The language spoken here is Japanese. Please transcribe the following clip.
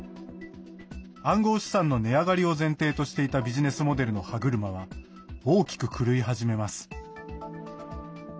暗号資産の値上がりを前提としていたビジネスモデルの歯車は大きく狂いはじめます。